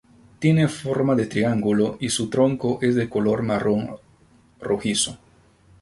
Tiene forma de triángulo y su tronco es de color marrón rojizo.